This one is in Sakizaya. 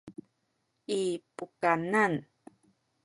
i pukanan